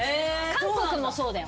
韓国もそうだよ。